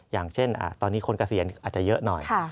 อย่างเช่นตอนนี้คนเกษียณอาจจะเยอะหน่อย